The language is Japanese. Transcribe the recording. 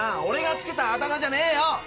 オレが付けたあだ名じゃねえよ！